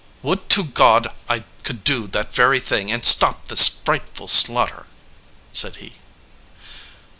"Would to God I could do that very thing and stop this frightful slaughter!" said he.